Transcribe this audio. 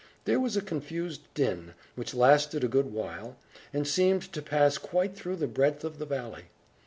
There was a confused din, which lasted a good while, and seemed to pass quite through the breadth of the valley.